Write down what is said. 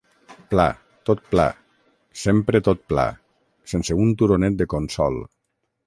Pla, tot pla; sempre tot pla, sense un turonet de consol